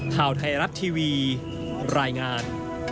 ข่าวไทยรัฐทีวีรายงาน